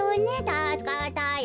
たすかったよ。